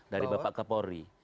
dari bapak kapolri